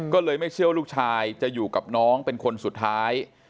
ก็เลยไม่เชื่อว่าลูกชายจะอยู่กับน้องเป็นคนสุดท้าย